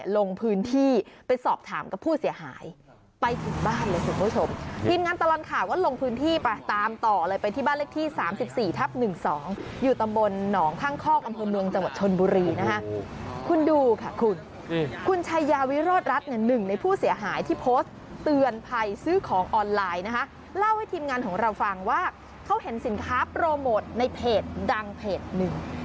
เล่าให้ทีมงานของเราฟังว่าเขาเห็นสินค้าโปรโมทในเพจดังเพจหนึ่ง